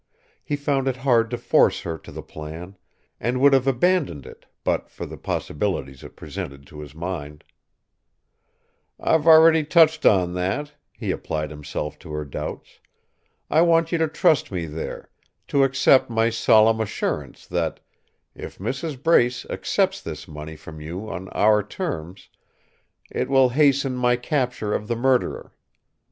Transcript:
He found it hard to force her to the plan, and would have abandoned it but for the possibilities it presented to his mind. "I've already touched on that," he applied himself to her doubts. "I want you to trust me there, to accept my solemn assurance that, if Mrs. Brace accepts this money from you on our terms, it will hasten my capture of the murderer.